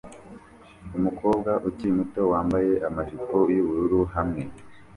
Umukobwa ukiri muto wambaye amajipo yubururu hamwe